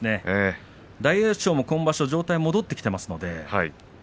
大栄翔も今場所状態が戻ってきていますので。